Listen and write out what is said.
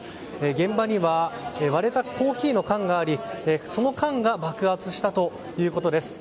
現場には割れたコーヒーの缶がありその缶が爆発したということです。